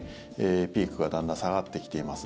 ピークがだんだん下がってきています。